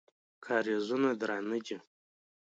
کارېزونه درانه دي.